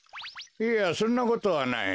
いやそんなことはない。